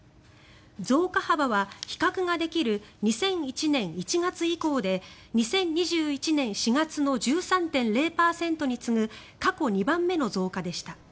増加幅は比較ができる２００１年１月以降で２０２１年４月の１３．０％に次ぐ過去２番目の増加でした。